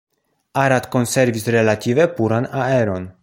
Arad konservis relative puran aeron.